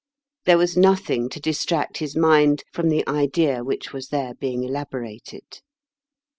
There was nothing to distract his mind from the idea which was there being elaborated.